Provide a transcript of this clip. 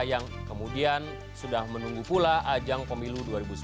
yang kemudian sudah menunggu pula ajang pemilu dua ribu sembilan belas